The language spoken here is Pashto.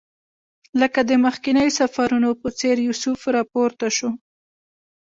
لکه د مخکنیو سفرونو په څېر یوسف راپورته شو.